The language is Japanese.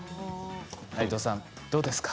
内藤さんどうですか？